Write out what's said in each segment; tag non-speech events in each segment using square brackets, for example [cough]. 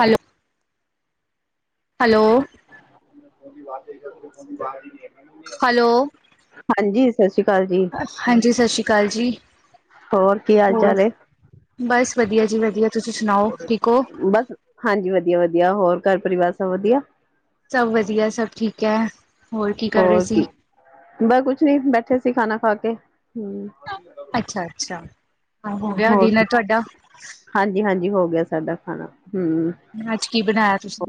Hello. Hello. [inaudible] Hello, ਹਾਂਜੀ ਸਤਿ ਸ੍ਰੀ ਅਕਾਲ ਜੀ ਹਾਂਜੀ ਸਸ਼੍ਰੀ ਕਾਲ ਜੀ। ਹੋਰ, ਕੀ ਹਾਲ-ਚਾਲ ਏ? ਬਾੱਸ ਵਦੀਆ ਜੀ ਵਦੀਆ। ਬਾੱਸ ਹਾਂਜੀ ਵਦੀਆ-ਵਦੀਆ, ਹੋਰ ਘਾਰ ਪਰਿਵਾਰ ਸਬ ਵਦੀਆ? ਸਬ ਵਦੀਆ, ਸਬ ਠੀਕ ਐ। ਹੋਰ ਕੀ, ਬਾ ਕੁੱਛ ਨੀ ਬੈਠੇ ਸੀ ਖਾਨਾ ਖਾ ਕੇ, ਹੂੰ। ਅੱਛਾ-ਅੱਛਾ, ਹਾਂ ਹੋ ਗੇਆ ਡਿਨਰ ਤੂਆਡਾ। ਹਾਂਜੀ-ਹਾਂਜੀ ਹੋ ਗੇਆ ਸਾਡਾ ਖਾਨਾ, ਹੂੰ। ਆੱਜ ਕੀ ਬਣਾਏਆ ਤੂਸੀ?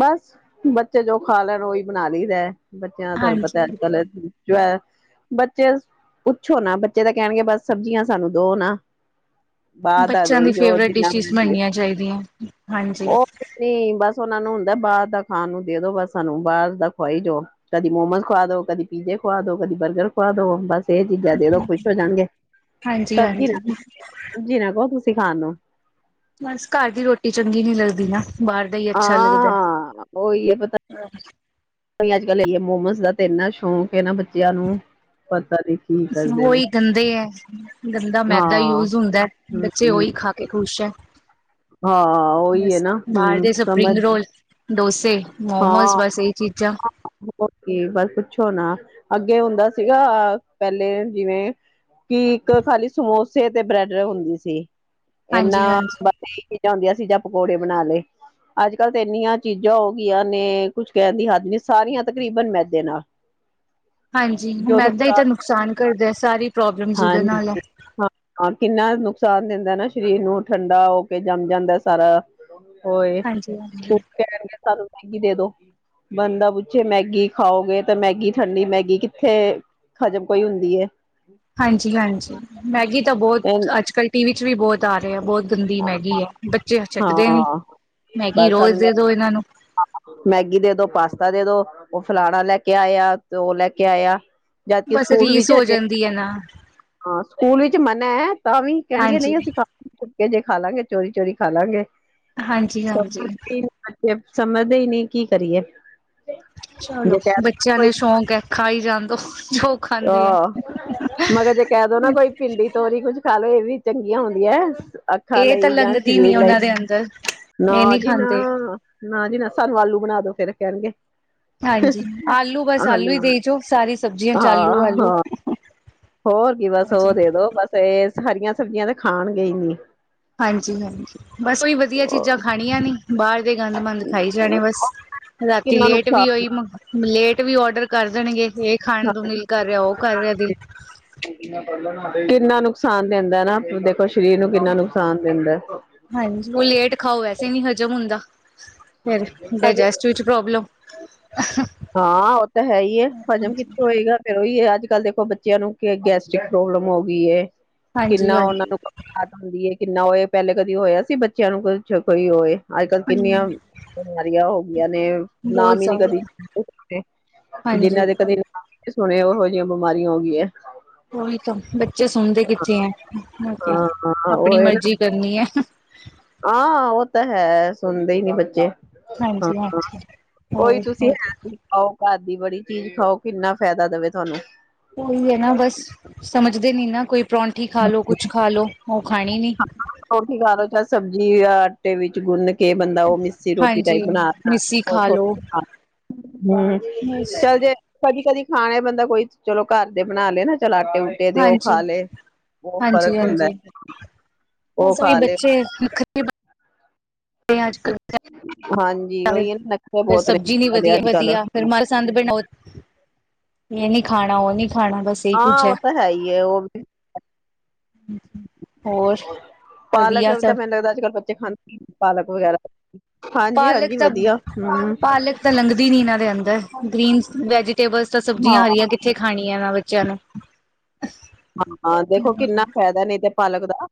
ਬਾੱਸ ਬੱਚੇ ਜੋ ਖਾ ਲੈਨ ਓਈ ਬਨਾ ਲਈਦੈ, ਬੱਚੇਆਂ ਦਾ ਤੂਆਨੂੰ ਹਾਂਜੀ ਪਤੈ ਅੱਜ-ਕੱਲ [unintelligible] ਬੱਚੇਆਂ ਸ ਪੁੱਛੋ ਨਾ, ਬੱਚੇ ਤਾਂ ਕੈਨਗੇ ਬਾੱਸ ਸਬਜੀਆਂ ਸਾਨੂੰ ਦੋ ਨਾ। ਬਾਹਰ ਦਾ ਬੱਚੇਆਂ ਦੀ ਦੇਈ ਜੋ ਫੇਵਰੇਟ ਜਿੰਨਾ ਡਿਸ਼ਿਸ ਮਰਜ਼ੀ ਬਨਨੀਆਂ ਚਾਈਦੀਐਂ, ਹਾਂਜੀ। ਨੀ ਬਸ ਉਹਨਾਂ ਨੂੰ ਹੁੰਦਾ ਬਾਹਰ ਦਾ ਖਾਣ ਨੂੰ ਦੇ ਦੋ ਬਸ ਸਾਨੂੰ ਬਾਹਰ ਦਾ ਖਵਾਈ ਜਾਓ ਕਦੀ ਮੋਮੋਜ਼ ਖੁਵਾ ਦੋ, ਕਦੀ ਪੀਜ਼ੇ ਖੁਵਾ ਦੋ, ਕਦੀ ਬਰਗਰ ਖੁਵਾ ਦੋ ਬਸ ਏ ਚੀਜ਼ਾਂ ਦੇ ਦੋ ਖੁਸ਼ ਹੋ ਜਾਣਗੇ, ਹਾਂਜੀ, ਸਬਜ਼ੀ ਹਾਂਜੀ ਨਾ ਸਬਜ਼ੀ ਨਾ ਕਹੋ ਤੁਸੀਂ ਖਾਣ ਨੂੰ ਬਸ ਘਾਰ ਦੀ ਰੋਟੀ ਚੰਗੀ ਨੀ ਲੱਗਦੀ ਨਾ ਬਾਹਰ ਦਾ ਹੀ ਅੱਛਾ ਲੱਗਦਾ ਹਾਂ ਉਹੀ ਪਤਾ ਹਮ [inaudible] ਅੱਜ ਕੱਲ ਇਏ ਮੋਮਸ ਦਾ ਤਾਂ ਇੰਨਾ ਸ਼ੌਕ ਹੈ ਨਾ ਬੱਚਿਆਂ ਨੂੰ ਪਤਾ ਨੀ ਕੀ ਕਰਦੇ ਨੇ ਉਹੀ ਗੰਦੇ ਹੈ ਗੰਦਾ ਮੈਦਾ ਹਾਂ ਯੂਜ ਹੁੰਦਾ, ਬੱਚੇ ਹਮ ਉਹੀ ਖਾ ਕੇ ਖ਼ੁਸ਼ ਹੈ ਹਾਂ ਉਹੀ ਹੈ ਬਸ ਨਾ ਬਾਹਰ ਹਮ ਦੇ ਸਮਝ ਸਪਰਿੰਗ ਰੋਲਸ ਡੋਸੇ ਮੋਮੋਸ ਬਸ ਇਹ ਹੀ ਚੀਜ਼ਾਂ ਔਕੇ ਬੱਸ ਪੁੱਛੋ ਨਾ, ਅੱਗੇ ਹੁੰਦਾ ਸੀਗਾ ਪਹਿਲੇ ਜਿਵੇਂ ਕੀ ਇੱਕ ਖਾਲੀ ਸਮੋਸੇ ਤੇ ਬ੍ਰੈਡ ਹੁੰਦੀ ਸੀ ਇਨਾ ਹਾਂਜੀ ਹਾਂਜੀ ਬਸ ਇਹੀ ਚੀਜ਼ਾਂ ਹੁੰਦੀਆਂ ਸੀ, ਜਾਂ ਪਕੌੜੇ ਬਣਾ ਲਏ ਅੱਜ ਕੱਲ ਤੇ ਇੰਨੀਆਂ ਚੀਜ਼ਾਂ ਚੀਜ਼ਾਂ ਹੋ ਗਈਆਂ ਨੇ ਕੁੱਝ ਕਹਿਣ ਦੀ ਹੱਦ ਨੀ, ਸਾਰੀਆਂ ਤਕਰੀਬਨ ਮੈਂਦੇ ਨਾਲ ਹਾਂਜੀ ਹੁਣ ਮੈਂਦਾ ਹੀ ਤਾਂ ਨੁਕਸਾਨ ਕਰਦਾ ਸਾਰੀ ਪ੍ਰੋਬਲਮਸ ਉਹਦੇ ਨਾਲ ਹੈ ਹਾਂਜੀ ਹਾਂ ਹਾਂ ਕਿੰਨਾ ਨੁਕਸਾਨ ਦਿੰਦਾ ਨਾ ਸਰੀਰ ਨੂੰ ਠੰਡਾ ਹੋ ਕੇ ਜੰਮ ਜਾਂਦਾ ਸਾਰਾ ਹੋਏ ਹਾਂਜੀ ਸੁਬਹ ਹਾਂਜੀ ਉੱਠ ਕੇ ਕਹਿਣਗੇ, ਸਾਨੂੰ ਮੈਗੀ ਦੇ ਦੋ ਬੰਦਾ ਪੁੱਛੇ ਮੈਗੀ ਖਾਓਗੇ ਤਾਂ ਮੈਗੀ ਠੰਡੀ ਮੈਗੀ ਕਿੱਥੇ ਹਜਮ ਕੋਈ ਹੁੰਦੀ ਹੈ ਹਾਂਜੀ ਹਾਂਜੀ ਮੈਗੀ ਤਾਂ ਬਹੁਤ ਤੇ ਅੱਜ ਕੱਲ੍ਹ ਟੀ ਵੀ ' ਵੀ ਬਹੁਤ ਆ ਰਿਹਾ, ਬਹੁਤ ਗੰਦੀ ਮੈਗੀ ਹੈ ਬੱਚੇ ਛੱਡਦੇ ਨੀ, ਹਾਂ ਮੈਗੀ ਬਸ ਰੋਜ਼ ਸਾਨੂੰ ਮੈ ਦੇ ਦੋ ਇਹਨਾਂ ਨੂੰ ਮੈਗੀ ਦੇ ਦੋ ਪਾਸਤਾ ਦੇ ਦੋ ਉਹ ਫਲਾਣਾ ਲੈ ਕੇ ਆਇਆ, ਤੇ ਉਹ ਲੈ ਕੇ ਆਇਆ ਜਦਕਿ ਬਸ ਸਕੂਲ ਵਿੱਚ ਰੀਸ ਹੋ ਹਜੇ ਜਾਂਦੀ ਹੈ ਨਾ ਹਾਂ, ਸਕੂਲ ਵਿੱਚ ਮਨਾ ਹੈ, ਤਾਂ ਵੀ ਕਹਿਣਗੇ ਹਾਂਜੀ ਨਹੀਂ ਅਸੀਂ ਖਾ ਸੁਕੇ ਜੇ ਖਾ ਲਾਂਗੇ, ਚੋਰੀ-ਚੋਰੀ ਖਾ ਲਾਂਗੇ, ਹਾਂਜੀ ਸ ਹਾਂਜੀ ਸਮਝਦੇ ਹੀ ਨਹੀਂ, ਕੀ ਕਰੀਏ। ਜੇ ਚਲੋ, ਕਹਿ ਦੋ ਬੱਚਿਆਂ ਕੋਈ ਨੂੰ ਸ਼ੌਕ ਹੈ, ਖਾਾਈ ਜਾਣ ਦੋ, ਜੋ ਖਾਂਦੇ ਹੈ ਆਹ, ਮਗਰ ਜੇ ਕਹਿ ਦੋ ਨਾ ਕੋਈ ਭਿੰਡੀ, ਤੋਰੀ ਕੁੱਝ ਖਾ ਲਓ, ਇਹ ਵੀ ਚੰਗੀਆਂ ਹੁੰਦੀਆਂ ਅੱਖਾਂ ਇਹ ਤਾਂ ਲਈ ਜਾਂ ਲੰਘਦੀ ਨੀ ਸਰੀਰ ਲਈ, ਉਹਨਾਂ ਦੇ ਅੰਦਰ ਨਾ ਇਹ ਨਹੀਂ ਜੀ, ਖਾਂਦੇ ਨਾ। ਨਾ ਜੀ ਨਾ, ਸਾਨੂੰ ਆਲੂ ਬਣਾ ਦਿਓ, ਫੇਰ ਕਹਿਣਗੇ। ਹਾਂਜੀ, ਆਲੂ ਬਸ ਆਲੂ ਹੀ ਦੇਈ ਜ਼ੋ, ਸਾਰੀ ਸਬਜ਼ੀਆਂ'ਚ ਹਾਂ ਆਲੂ-ਆਲੂ। ਹਾਂ ਹੋਰ ਕੀ, ਬੱਸ ਉਹ ਦੇ ਦਿਓ, ਬਸ ਇਹ ਹਰੀਆਂ ਸਬਜ਼ੀਆਂ ਤਾਂ ਖਾਣਗੇ ਹੀ ਨੀ। ਹਾਂਜੀ-ਹਾਂਜੀ, ਬਸ ਓਹੀ ਵਧੀਆ ਚੀਜ਼ਾਂ ਖਣੀਆਂ ਨੀ, ਬਾਹਰ ਦੇ ਗੰਦ-ਮੰੰਦ ਖਾਈ ਜਾਣੇ ਬਸ। ਰਾਤੀ ਕਿੰਨਾ ਲੇਟ ਵੀ ਨੁਕਸਾਨ ਓਹੀ ਲੇਟ ਵੀ ਔਡਰ ਕਰ ਦੇਣਗੇ, ਇਹ ਖਾਣ ਨੂੰ ਦਿਲ ਕਰ ਰਿਹਾ, ਉਹ ਕਰ ਰਿਹਾ ਦਿਲ। ਕਿੰਨਾ ਨੁਕਸਾਨ ਦਿੰਦਾ ਨਾ, ਦੇਖੋ ਸਰੀਰ ਨੂੰ ਕਿੰਨਾ ਨੁਕਸਾਨ ਦਿੰਦਾ। ਹਾਂਜੀ, ਉਹ ਲੇਟ ਖਾਓ ਵੈਸੇ ਨੀ ਹਜ਼ਮ ਹੁੰਦਾ, ਫੇਰ ਹਜੇ ਡਾਇਜੈਸਟ ਵਿੱਚ ਪ੍ਰੋਬਲਮ ਹਾਂ, ਉਹ ਤਾਂ ਹੈ ਹੀ ਏ, ਹਜ਼ਮ ਕਿੱਥੇ ਹੋਏਗਾ। ਫੇਰ ਉਹੀ ਹੈ, ਅੱਜਕੱਲ੍ਹ ਦੇਖੋ ਬੱਚਿਆਂ ਨੂੰ ਗੈਸਟ੍ਰਿਕ ਪ੍ਰੋਬਲਮ ਹੋ ਗਈ ਏ, ਹਾਂਜੀ ਕਿੰਨਾ ਉਹਨਾ ਹਾਂਜੀ ਨੂੰ। ਆਜ ਹੁੰਦਾ ਹੈ ਕਿੰਨਾ ਹੋਏ, ਪਹਿਲੇ ਕਦੀ ਹੋਇਆ ਸੀ ਬੱਚਿਆਂ ਨੂੰ ਕੁਛ, ਕੋਈ ਹੋਏ। ਅੱਜਕੱਲ੍ਹ ਕਿੰਨੀਆਂ ਬਿਮਾਰੀਆਂ ਹੋ ਗਈਆਂ ਨੇ, ਬਹੁਤ ਨਾਮ ਹੀ ਨੀ ਜ਼ਿਆਦਾ ਕਦੀ ਹਾਂਜੀ ਜਿਹਨਾਂ ਦੇ ਕਦੇ ਨਾਮ ਵੀ ਨਹੀਂ ਸੁਣੇ, ਉਹੋ ਜਿਹੀਆਂ ਬਿਮਾਰੀਆਂ ਹੋ ਗਈਆਂ। ਉਹੀ ਤਾਂ ਬੱਚੇ ਸੁਣਦੇ ਕਿੱਥੇ ਹੈ, ਹਾਂ ਹਾਂ ਉਹ ਆਪਣੀ ਹੈ ਨਾ ਮਰਜ਼ੀ ਕਰਨੀ ਹੈ। ਹਾਂ, ਉਹ ਤਾਂ ਹੈ ਸੁਣਦੇ ਹੀ ਨਹੀਂ ਬੱਚੇ। ਹਾਂਜੀ ਹਾਂ, ਹਾਂਜੀ ਉਹੀ ਹੋਰ ਤੁਸੀਂ ਹੋਰ ਹੈ ਆਓ ਘਰ ਦੀ ਬਣੀ ਚੀਜ਼ ਖਾਓ, ਕਿੰਨਾ ਫਾਇਦਾ ਦੇਵੇ ਤੁਹਾਨੂੰ। ਓਹੀ ਹੈ ਨਾ, ਬਸ ਸਮਝਦੇ ਨਹੀ ਨਾ। ਕੋਈ ਪਰੌਂਠੀ ਖਾ ਲਓ ਕੁਛ ਖਾ ਲਓ, ਉਹ ਖਾਣੀ ਨੀ। ਰੋਟੀ ਖਾ ਲਓ ਚਾਹੇ ਸਬਜ਼ੀ ਆਟੇ ਵਿੱਚ ਗੁੰਨ ਕੇ। ਕਿ ਬੰਦਾ, ਉਹ ਮਿੱਸੀ ਰੋਟੀ ਹਾਂਜੀ ਟਾਈਪ ਬਣਾ ਕੇ ਮਿੱਸੀ ਖਾ ਲੋ ਹਮ, ਬਸ ਚੱਲ ਜੇ ਕਦੀ-ਕਦੀ ਖਾਣੇ ਬੰਦਾ ਕੋਈ, ਚਲੋ ਘਰ ਦੇ ਬਣਾ ਲਏ ਨਾ, ਚਲ ਆਟੇ ਆਟੇ ਦੇ ਉਹ ਹਾਂਜੀ ਖਾ ਲਏ, ਬਹੁਤ ਹਾਂਜੀ ਫ਼ਰਕ ਹੁੰਦਾ। ਹਾਂਜੀ ਉਹ ਬਸ ਓਹੀ, ਖਾ ਲਏ ਬੱਚੇ ਨਖਰੇ ਅੱਜਕਲ੍ਹ ਹਾਂਜੀ ਉਹੀ ਨਖਰੇ ਫੇਰ ਬਹੁਤ ਨੇ ਸਬਜ਼ੀ ਨਹੀ ਦੇ ਵਧੀਆ, ਅੱਜ ਕੱਲ ਵਧੀਆ ਫੇਰ ਮ ਪਸੰਦ, ਇਹ ਨੀ ਖਾਣਾ, ਉਹ ਨੀ ਖਾਣਾ ਬਸ। ਇਹੀ ਹਾਂ, ਕੁੱਝ ਉਹ ਤਾਂ ਹੈ ਹੀ ਹੈ, ਉਹ ਵੀ। ਹੋਰ ਪਾਲਕ ਵਧੀਆ ਤਾਂ ਸਭ ਮੈਨੂੰ ਲੱਗਦਾ, ਅੱਜਕੱਲ੍ਹ ਬੱਚੇ ਖਾਂਦੇ ਪਾਲਕ ਵਗੈਰਾ ਪਾਲਕ ਹਾਂਜੀ-ਹਾਂਜੀ, ਤਾਂ ਵਧੀਆ। ਹਮ ਪਾਲਕ ਤਾਂ ਲੰਘਦੀ ਨੀ ਇਹਨਾਂ ਦੇ ਅੰਦਰ, ਗ੍ਰੀਨ ਵੈਜੀਟੇਬਲਸ ਤਾਂ ਹਾਂ ਸਬਜ਼ੀਆਂ ਹਰੀਆਂ ਕਿੱਥੇ ਖਾਣੀਆ ਏਨਾ ਬੱਚਿਆਂ ਨੂੰ। ਹਾਂ, ਦੇਖੋ ਕਿੰਨਾ ਫ਼ਾਇਦਾ ਨਹੀਂ ਤੇ ਪਾਲਕ ਦਾ।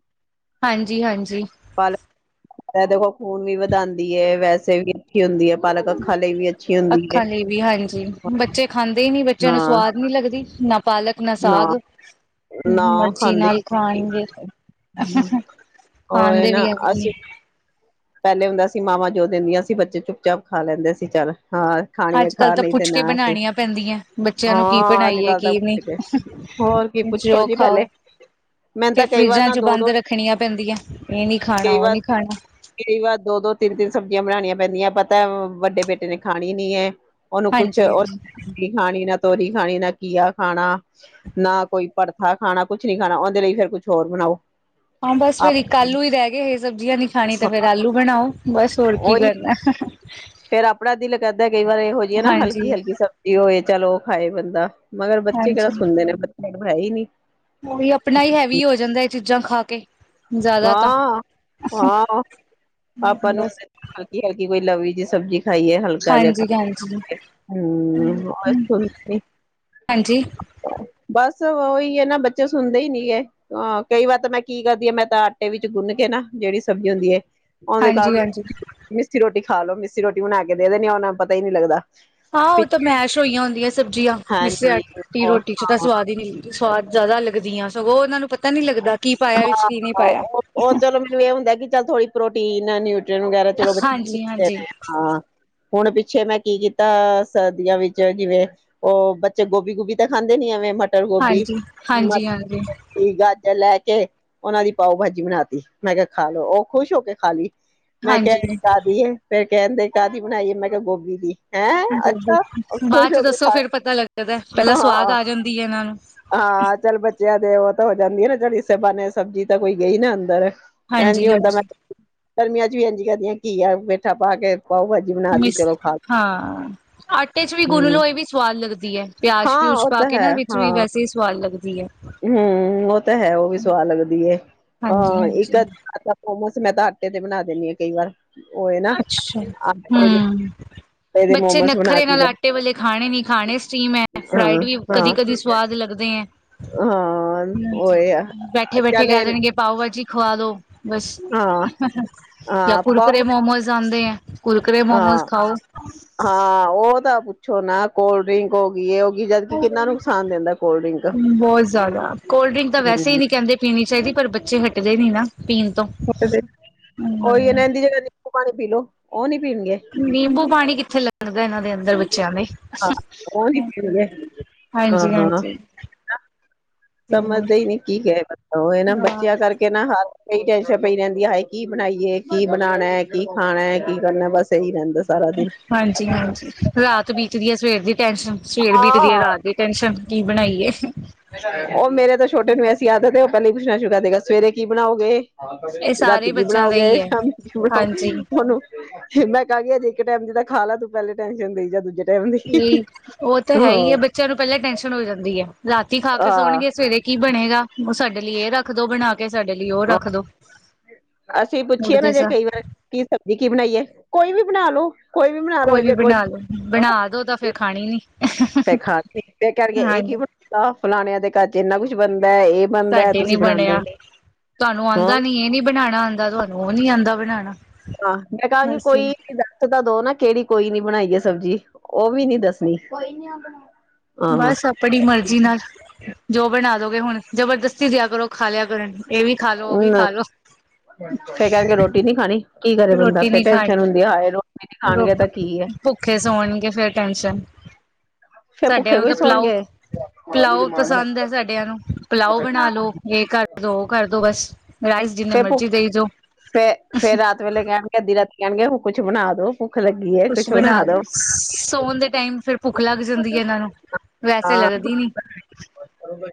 ਹਾਂਜੀ-ਹਾਂਜੀ। ਇਹ ਦੇਖੋ, ਖ਼ੂਨ ਵੀ ਵਧਾਉਂਦੀ ਹੈ, ਵੈਸੇ ਵੀ ਅੱਛੀ ਹੁੰਦੀ ਹੈ ਪਾਲਕ, ਅੱਖਾਂ ਲਈ ਵੀ। ਅੱਛੀ ਹੁੰਦੀ ਹੈ ਅੱਖਾਂ ਲਈ ਵੀ, ਹਾਂਜੀ। ਬੱਚੇ ਖਾਂਦੇ ਹੀ ਨਹੀ, ਬੱਚਿਆਂ ਨੂੰ ਹਾਂ ਸਵਾਦ ਨੀ ਲੱਗਦੀ ਨਾ ਪਾਲਕ। ਨਾ ਸਾਗ ਨਾ ਮਰਜ਼ੀ ਖਾਂਦੇ ਨਾਲ ਖਾਣਗੇ। ਉਹ ਆਂਦੇ ਵੀ ਨਾ ਅਸੀਂ ਇਹੀ ਹੈ। ਪਹਿਲੇ ਹੁੰਦਾ ਸੀ, ਮਾਵਾਂ ਜੋ ਦਿੰਦੀਆਂ ਸੀ, ਬੱਚੇ ਚੁੱਪ-ਚਾਪ ਖਾ ਲੈਂਦੇ ਸੀ ਚੱਲ ਹਾਂ। ਖਾਣੀ ਆ ਅੱਜ ਕੱਲ੍ਹ ਖਾ ਤਾਂ ਨਹੀਂ ਤੇ ਪੁੱਛ ਕੇ ਨਾ ਸਹੀ। ਬਣਾਣੀਆਂ ਪੈਂਦੀਆਂ ਬੱਚਿਆਂ ਨੂੰ ਕੀ ਹਾਂ, ਬਣਾਈਏ ਅੱਜਕੱਲ੍ਹ ਤਾਂ ਕੀ ਨਹੀਂ। ਪੁੱਛ ਦੇ, ਹੋਰ। ਕੀ ਪੁੱਛੋ ਜੀ ਪਹਿਲੇ। ਮੈਨੂੰ ਤਾਂ ਫਿਰ ਕਈ ਵਾਰ ਫਰਿਜਾਂ ਨਾ ਚ ਦੋ ਬੰਦ ਦੋ ਰੱਖਣੀਆਂ ਪੈਂਦੀਆਂ ਇਹ ਨੀ ਖਾਣਾ ਕਈ ਉਹ ਵਾਰ ਨੀ ਖਾਣਾ। ਕਈ ਵਾਰ ਦੋ- ਦੋ, ਤਿੰਨ- ਤਿੰਨ ਸਬਜ਼ੀਆਂ ਬਣਾਉਣੀਆਂ ਪੈਂਦੀਆਂ ਪਤਾ ਵੱਡੇ ਬੇਟੇ ਨੇ ਖਾਣੀ ਨੀ ਹੈ। ਉਹਨੂੰ ਕੁਛ ਹਾਂਜੀ-ਹਾਂਜੀ। ਉਹਨ ਖਾਣੀ ਨਾ ਤੋਰੀ ਖਾਣੀ ਨਾ ਕੀਆ ਖਾਣਾ। ਨਾ ਕੋਈ ਪੜਥਾ ਖਾਣਾ ਕੁਛ ਨਹੀਂ ਖਾਣਾ ਉਹਦੇ ਲਈ ਫੇਰ ਕੁਛ ਹੋਰ ਬਣਾਓ। ਹਾਂ ਬਸ ਆਪ ਫੇਰ ਆਲੂ ਹੀ ਰਹਿ ਗਏ ਇਹ ਸਬਜ਼ੀਆਂ ਲਈ ਖਾਣੀ ਤੇ ਫੇਰ ਆਲੂ ਬਣਾਓ ਬਸ ਹੋਰ ਕੀ ਉਹੀ ਕਰਨਾ। ਫੇਰ ਆਪਣਾ ਦਿਲ ਕਰਦਾ ਕਈ ਵਾਰ ਇਹੋ ਜਿਹੀਏ ਨਾ ਹਲਕੀ- ਹਲਕੀ ਹਾਂਜੀ-ਹਾਂਜੀ। ਸਬਜ਼ੀ ਹੋਏ ਚਲ ਉਹ ਖਾਏ ਬੰਦਾ। ਮਗਰ ਬੱਚੇ ਕਿਹੜਾ ਸੁਣਦੇ ਨੇ ਬੱਚ ਹੈ ਹੀ ਨਹੀਂ। ੳਹ ਆਪਣਾ ਹੀ ਹੈਵੀ ਹੋ ਜਾਂਦਾ ਇਹ ਚੀਜ਼ਾਂ ਖਾ ਕੇ। ਜ਼ਿਆਦਾ ਤਾਂ ਹਾਂ- ਹਾਂ ਆਪਾ ਨੂ ਬਸ ਹਲਕੀ -ਹਲਕੀ ਕੋਈ ਲਵੀ ਜੀ ਸਬਜ਼ੀ ਖਾਈਏ ਹਲੀ ਹਾਂਜੀ ਹਾਂਜੀ [unintelligible] ਹਾਂਜੀ ਬਸ ਉਹੀ ਹੈ ਨਾ ਬੱਚੇ ਸੁਣਦੇ ਹੀ ਨੀ ਗ ਕਈ ਵਾਰ ਤਾਂ ਮੈਂ ਕੀ ਕਰਦੀ ਹਾਂ ਮੈਂ ਤਾਂ ਆਟੇ ਵਿੱਚ ਗੁੰਨ ਕੇ ਨਾ ਜਿਹੜੀ ਸਬਜ਼ੀ ਹੁੰਦੀ ਹੈ ਹਾਂਜੀ ਹਾਂਜੀ [unintelligible] ਮਿੱਸੀ ਰੋਟੀ ਖਾ ਲ ਲੋ ਮਿਸਸੀ ਰੋਟੀ ਬਣਾ ਕੇ ਦੇ ਦਦੇ ਆ ਉਹਨਾਂ ਪਤਾ ਹੀ ਨੀ ਲੱਗਦਾ। ਹਾਂ ਉਹ ਤਾਂ ਮੈਸ਼ ਹੋਈਆਂ ਹੁੰਦੀਆਂ ਸਬਜ਼ੀਆਂ ਮਿਸੇ ਆ ਹਾਂਜੀ ਵੀ ਉਹ ਰੋਟੀ ਚ ਹਾਂ ਤਾਂ ਸਵਾਦ ਹੀ ਨਦੀ ਸਵਾਦ ਜਿਆਦਾ ਲੱਗਦੀਆਂ। ਸਗੋਂ ਉਨਾਂ ਨੂੰ ਪਤਾ ਨੀ ਲੱਗਦਾ ਕੀ ਪਾਇਆ ਵਿੱਚ ਕੀ ਨੀ ਪਾਇਆ ਐ ਹੁੰਦਾ ਕਿ ਚੱਲ ਥੋੜ੍ਹੀ ਪ੍ਰੋਟੀਨ, ਨਿਊਟਰੀਨ ਵਗੈਰਾ ਚਲੋ ਬੱਚੇ ਨੂੰ ਹਾਂਜੀ ਦੇਨਾ ਹਾਂਜੀ ਐ ਹਾਂ। ਹੁਣ ਪਿੱਛੇ ਮੈਂ ਕੀ ਕੀਤਾ ਸਰਦੀਆਂ ਵਿੱਚ ਜਿਵੇਂ ਓ ਬੱਚੇ ਗੋਭੀ, ਗੁਭੀ ਤਾ ਖਾਂਦੇ ਨੀ ਐਵੇਂ ਮਟਰ, ਗੋਭੀ ਹਾਂਜੀ ਹਾਂਜੀ ਹਾਂਜੀ ਗਾਜ ਰ ਲੈ ਕੇ ਓਨਾਂ ਦੀ ਪਾਓ ਭਾਜੀ ਬਣਾ ਤੀ ਮੈ ਕਿਆ ਖਾ ਲੋ ਓ ਖੁਸ਼ ਹੋ ਕੇ ਖਾ ਲੀ। ਮੈਂ ਕਿਆ ਹਾਂਜੀ ਐ ਕਾਦੀ ਏ ਫੇਰ ਕੈਂਦੇ ਕਾਦੀ ਬਨਾਈ ਏ ਮੈਂ ਕਿਆ ਗੋਭੀ ਦੀ। ਹੈਂ ਅੱਛਾ ਓ ਬਾਅਦ ਖੁਸ਼ ਚ ਹੋ ਕੇ ਦੱਸੋ ਖਾਣ ਫੇਰ ਪਤਾ ਲੱਗਦਾ ਪਹਿਲਾਂ ਸਵਾਦ ਹਾਂ। ਆ ਜਾਂਦੀ ਹੈ ਇਹਨਾਂ ਨੂੰ ਹਾਂ, ਚੱਲ ਬੱਚਿਆਂ ਦੇ ਓ ਤਾ ਹੋ ਜਾਂਦੀ ਆ ਨਾ ਚੱਲ ਇਸੇ ਬਾਨੇ ਸਬਜ਼ੀ ਤਾਂ ਕੋਈ ਗਈ ਨਾ ਅੰਦਰ। ਐਂਜੀ ਹਾਂਜੀ ਹੁੰਦਾ ਮੈ ਹਾਂਜੀ ਗਰਮੀਆਂ ਚ ਵੀ ਐਂਜਈ ਕਰਦੀ ਆਂ ਘੀਆ ਪੇਠਾ ਪਾ ਕੇ ਪਾ ਕੇ ਪਾਓ ਭਾਜੀ ਬਨਾ ਤੀ ਮਿਸ ਚਲੋ ਖਾ ਹਾਂ ਆਟੇ ਚ ਵੀ ਗੁਨ ਹੂੰ ਲੋ ਏ ਵੀ ਸਵਾਦ ਲੱਗਦੀ ਐ ਪਿਆਜ ਹਾਂ ਪਿਊਜ ਉਹ ਪਾ ਤਾਂ ਕੇ ਹੈ ਨਾ ਵਿੱਚ ਵੀ ਵੈਸੇ ਈ ਸਵਾਦ ਲੱਗਦੀ ਐ। ਹੁੰ ਓ ਤਾ ਹੈ ਓ ਵੀ ਸਵਾਦ ਲੱਗਦੀ ਐ ਹਾਂਜੀ ਹਾਂ ਹਾਂਜੀ ਇੱਕ ਅੱਛਾ ਮੋਮੋਸ ਮੈ ਤਾ ਆਟੇ ਦੇ ਬਨਾ ਦੇਨੀ ਆ ਕਈ ਵਾਰ। ਉਹ ਏ ਨਾ ਅੱਛਾ, ਆਟੇ ਦੇ ਹੁੰ। ਆਟੇ ਦੇ ਬੱਚੇ ਮੋਮੋਸ ਬਣਾ ਨੱਖਰੇ ਦੀ ਨਾਲ ਦਾ ਆਟੇ ਵਾਲੇ ਖਾਣੇ ਨੀ ਖਾਣੇ ਸਟੀਮ ਐ ਹਾਂ ਫਰਾਈਡ ਵੀ ਕਦੀ ਹਾਂ। ਕਦੀ ਸਵਾਦ ਲੱਗਦੇ ਐਂ। ਹਾਂ ਉਹੀ ਆ ਬੈਠੇ ਬੈਠੇ ਚੱਲ ਕੈ ਦੇਣਗੇ ਪਾਓ ਭਾਜੀ ਖਵਾ ਦੋ। ਬਸ ਹਾਂ ਯਾ ਹਾਂ ਕੁੁਰਕੁਰੇ, ਪਾਓ ਮੋਮੋਸ ਆਂਦੇ ਐ ਕੁੁਰਕੁਰੇ, ਮੋਮੋਸ ਹਾਂ ਖਾਓ। ਹਾਂ ਓ ਤਾ ਪੁੱਛੋ ਨਾ ਕੋਲ ਡਰਿੰਕ ਹੋ ਗੀ ਏ ਓ ਗੀ ਜਦਕਿ ਕਿੰਨਾ ਨੁਕਸਾਨ ਦੇਂਦਾ ਕੋਲਡ ਡਰਿੰਕ ਹੁੰ। ਬਹੁਤ ਪੀਨੀ ਚਾਈਦੀ ਪਰ ਬੱਚੇ ਹੱਟਦੇ ਨੀ ਨਾ ਪੀਨ ਤੋਂ। ਓਈ ਹਮ ਏ ਏਂਦੀ ਜਗ੍ਹਾ ਨੀਂਬੂ ਪਾਨੀ ਪੀ ਲੋ ਓ ਨੀ ਪੀਨਗੇ। ਨਿੰਬੂ ਪਾਨੀ ਕਿੱਥੇ ਲੰਗਦਾ ਇਨਾਂ ਦੇ ਅੰਦਰ ਬੱਚਿਆਂ ਦੇ। ਹਾਂ ਉਹ ਨੀ ਪੀਣਗੇ ਹਾਂਜੀ, ਹਾਂਜੀ। ਹੋਰ ਸਮਜਦੇ ਈ ਨੀ ਕੀ ਕਰੇ ਬਚ ਓ ਨਾ ਬੱਚਿਆਂ ਕਰਕੇ ਨਾ ਹਰ ਏਈ ਟੈਂਸ਼ਨ ਪਈ ਰੈਂਦੀ ਹਾਏ ਕੀ ਬਣਾਈਏ ਕੀ ਬਣਾਣਾ ਏ ਕੀ ਖਾਣਾ ਏ ਕੀ ਕਰਨਾ ਬਸ। ਇਹੀ ਰਹਿੰਦਾ ਸਾਰਾ ਦਿਨ ਹਾਂਜੀ ਹਾਂਜੀ ਰਾਤ ਬੀਤਦੀ ਐ ਸਵੇਰ ਦੀ ਟੈਂਸ਼ਨ ਸਵੇਰ ਬੀਤਦੀ ਐ ਹਾਂ ਰਾਤ ਦੀ ਟੈਸ਼ਨ ਕੀ ਬਣਾਈਏ? ਓ ਮੇਰੇ ਤਾ ਛੋਟੇ ਨੂੰ ਐਸੀ ਆਦਤ ਏ ਓ ਪੈਲੇ ਈ ਪੁੱਛਣਾ ਸ਼ੁਰੂ ਕਰ ਦਏਗਾ ਸਵੇਰੇ ਕੀ ਬਣਾਓਗੇ? ਇਹ ਰਾਤੀ ਸਾਰੇ ਕੀ ਬੱਚਿਆਂ ਦਾ ਬਣਾਓਗੇ, ਹੀ ਹੈ ਸ਼ਾਮੀ ਕੀ ਬਣਾਓਗੇ? ਹਾਂਜੀ ਉਨੂੰ ਫੇਰ ਮੈ ਕਾਂਗੀ ਅਜੇ ਇੱਕ ਟੈਮ ਦੀ ਤਾ ਖਾ ਲੈ ਤੂੰ ਪੈਲੇ ਟੈਨਸ਼ਨ ਦਈ ਜਾ ਦੂਜੇ ਟਾਈਮ ਦੀ ਨਈ ਓ ਤਾ ਹੈ ਈ ਐ, ਹਾਂ ਬ ਚਿਆਂ ਨੂੰ ਪੈਲੇ ਟੈਸ਼ਨ ਹੋ ਜਾਂਦੀ ਐ ਰਾਤੀ ਖਾ ਕੇ ਹਾਂ ਸੋਣਗੇ ਸਵੇਰੇ ਕੀ ਬਣੇਗਾ? ਓ ਸਾਡੇ ਲੀ ਏ ਰੱਖਦੋ ਬਣਾ ਕੇ, ਸਾਡੇ ਲੀ ਓ ਰੱਖਦੋ। ਅਸੀ ਪੁੱਛੀਏ ਨਾ ਜੇ ਕਈ ਵਾਰ ਕੀ ਸਬਜ਼ੀ ਕੀ ਬਣਾਈਏ? ਕੋਈ ਵੀ ਬਣਾ ਲੋੋ। ਕੋਈ ਵੀ ਬਣਾ ਲੋੋ, ਬਣਾ ਦੋ ਤਾਂ ਫੇਰ ਖਾਣੀ ਨੀ। ਫੇਰ ਖਾ ਪੀ ਕੇ ਕੈਨਗੇ ਏ ਹਾਂਜੀ ਕੀ ਬਨੁਦਾ ਫਲਾਣਿਆਂ ਦੇ ਘਰ ਚ ਇੰਨਾ ਕੁਛ ਬਣਦਾ ਏ ਤਾਡੇ ਨੀ ਬਣਿਆ ਤਾਨੂੰ ਹਾਂ ਆਂਦਾ ਨੀ ਏ ਨੀ ਬਣਾਣਾ ਆਂਦਾ ਤੁਆਨੂੰ ਓ ਨੀ ਆਂਦਾ ਬਣਾਣਾ। ਆ, ਮੈ ਕਾਂਗੀ ਕੋਈ ਇੱਕ ਚੀਜ ਦੱਸ ਸ ਤਾ ਦੋ ਨਾ ਕਿੜੀ ਕੋਈ ਨੀ ਬਣਾਈਏ ਸਬਜੀ ਓ ਵੀ ਨੀ ਦੱਸਨੀ। ਬਸ ਆਪਣੀ ਮਰਜ਼ੀ ਨਾਲ ਜੋ ਬਣਾ ਦੋਗੇ, ਹੁਣ ਜਬਰਦਸਤੀ ਦਿਆ ਕਰੋ ਖਾ ਲਿਆ ਕਰਨ। ਏ ਵੀ ਖਾ ਲੋ, ਓ ਵੀ ਨਾ ਖਾ ਲੋ। ਫੇਰ ਕਹਿਣਗੇ ਰੋਟੀ ਨੀ ਖਾਣੀ ਕੀ ਕਰੇ ਬੰਦਾ, ਫੇਰ ਟੈਨਸ਼ਨ ਹੁੰਦੀ ਆ ਹਾਏ ਰੋ ਰ ਭੁੱਖੇ ਸੌਣਗੇ ਫੇਰ ਟੈਂਨਸ਼ਨ। ਫੇਰ ਸਾਡਿਆਂ ਭੁੱਖੇ ਨੂੰ, ਕੋਈ ਤਾਂ ਪਿਲਾਓ। ਸੌਣਗੇ ਪਲਾਓ ਪਸੰਦ ਹੈ, ਸਾਡਿਆਂ ਨੂੰ ਪਲਾਓ ਬਣਾ ਲੋ ਇਹ ਕਰਦੋ ਉਹ ਕਰਦੋ ਬਸ,। ਰਾਈਸ, ਜਿਨੇ ਫੇਰ ਭੁੱਖ ਮਰਜ਼ੀ ਦੇਈ ਜਾਓ। ਫੇ ਫੇਰ ਰਾਤ ਵੇਲੇ ਕਹਿਣ ਗੇ, ਅਧ ਰਾਤੀ ਆਣਗੇ ਹੁਣ ਕੁਛ ਬਣਾ ਦੋ। ਭੁੱਖ ਲੱਗੀ ਏ। ਕੁਛ ਬਣਾ ਕੇ ਸੋਣ ਦੇ ਟਾਈਮ ਫਿਰ ਭੁੱਖ ਲੱਗ ਜਾਂਦੀ ਹੈ ਇਹਨਾਂ ਨੂੰ। ਵੈਸੇ ਹਾਂ ਲੱਗਦੀ ਨੀ।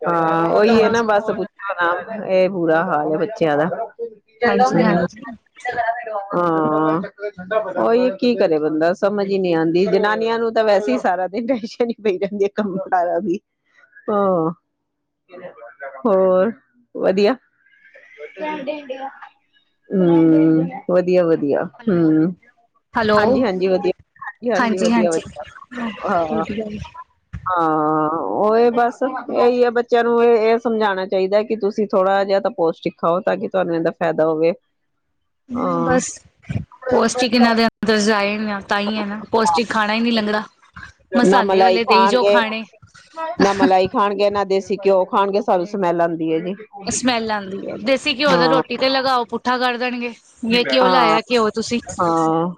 ਹਾਂ ਉਹੀ ਹੈ, ਨਾ ਹਾਂਜੀ ਬਸ ਹੁਣ ਇਹ ਬੁਰਾ ਹਾਲ ਹੈ, ਬੱਚਿਆਂ ਦਾ। ਹਾਂਜੀ ਹਾਂਜੀ ਹਾਂ ਉਹੀ ਕੀ ਕਰੇ ਬੰਦਾ ਸਮਝ ਹੀ ਨਹੀਂ ਆਉਂਦੀ ਜਨਾਨੀਆਂ ਨੂੰ ਤਾਂ ਵੈਸੇ ਹੀ ਸਾਰਾ ਦਿਨ ਟੈਸ਼ਨ ਪਈ ਰਹਿੰਦੀ, ਕੰਮ ਕਾਰਾ ਦੀ ਹਾਂ। ਹੋਰ ਵਧੀਆ। ਹੂ ਵਧੀਆ, ਵਧੀਆ ਹੈਲੋ ਹੂ। ਹੈਲੋ ਹਾਂਜੀ, ਹਾਂਜੀ, ਵਧੀਆ ਹਾਂਜੀ ਹਾਜੀ ਵਧੀਆ ਵਧੀਆ ਹਾਂ। ਵਧੀਆ ਜੀ। ਹਾਂ ਉਹ ਇਹ ਬਸ ਇਹੀ ਹੈ, ਬੱਚਿਆਂ ਨੂੰ ਇਹ ਇਹ ਸਮਝਾਉਣਾ ਚਾਹੀਦਾ ਕਿ ਤੁਸੀਂ ਥੋੜ੍ਹਾ ਜਿਹਾ ਤਾਂ ਪੋਸ਼ਟਿਕ ਖਾਓ, ਤਾਂ ਕਿ ਤੁਹਾਨੂੰ ਇਹਦਾ ਫਾਇਦਾ ਹੋਵੇ। ਹਾਂ ਬਸ ਪੋਸ਼ਟਿਕ ਇਹਨਾਂ ਦੇ ਅੰਦਰ ਜਾਏ ਆ ਤਾਂ ਹੀ ਹੈ, ਨਾ ਪੋਸ਼ਟਿਕ। ਖਾਣਾ ਹੀ ਨਹੀਂ ਲੰਗਣਾ। ਨਾ ਮਲਾਈ ਖਾਣਗੇ, ਨਾ ਮਲਾਈ ਖਾਣਗੇ ਨਾ ਦੇਸੀ ਘਿਓ ਖਾਣਗੇ, ਸਾਨੂੰ ਸਮੈਲ ਆਉਂਦੀ ਹੈ ਜੀ। ਸਮੈਲ ਆਉਂਦੀ ਹੈ, ਦੇਸੀ ਘਿਓ ਦਾ ਹਾਂ ਰੋਟੀ ਤੇ ਲਗਾਓ ਪੁੱਠਾ ਕਰ ਦੇਣਗੇ। ਏ ਘਿਉਂ ਹਾਂ ਲਾਇਆ, ਕਿਉ ਤੁਸੀਂ। ਹਾਂ।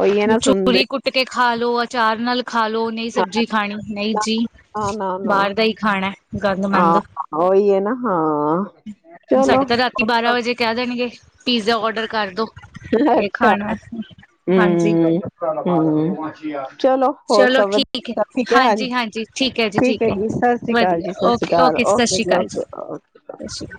ਉਹੀ ਹੈ ਨਾ ਸੁਣਦੇ ਚੂਰੀ ਕੁੱਟ ਕੇ ਖਾ ਲੋ, ਅਚਾਰ ਨਾਲ ਖਾ ਲਓ ਨਹੀਂ ਸਬਜ਼ੀ ਖਾਣੀ ਨਹੀਂ ਜੀ, ਨਾ ਨਾ ਬਾਹਰ ਦਾ ਹੀ ਖਾਣਾ ਗੰਦਮੰਦ। ਉਹੋ ਹੀ ਏ ਨਾ ਹਾਂ। ਚਲੋ ਸਾਡੇ ਤਾਂ ਰਾਤੀ ਬਾਰਾਂ ਵਜੇ ਕਹਿ ਦੇਣਗੇ, ਪੀਜ਼ਾ ਔਡਰ ਅੋਡਰ ਕਰਦੋ, ਇਹ ਖਾਣਾ ਹਾਂਜੀ। ਅਛਾ। ਚਲੋ ਹੋਰ ਸਭ ਵਧੀਆ ਸਭ ਠੀਕ ਹੈ ਹਾਂਜੀ ਠੀਕ ਹੈ, ਜੀ ਸਤਿ ਸ੍ਰੀ ਅਕਾਲ ਵਧੀਆ ਜੀ ਸਤਿ ਓਕੇ ਚਲ ਸਤਿ ਓਕੇ ਸ਼੍ਰੀ ਜੀ ਅਕਾਲ ਓਕੇਓਕੇ। ਸਤਿ ਸ਼੍ਰੀ ਅਕਾਲ